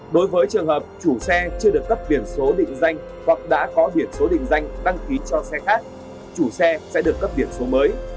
đối với trường hợp chủ xe chưa được cấp biển số định danh hoặc đã có biển số định danh đăng ký cho xe khác chủ xe sẽ được cấp biển số mới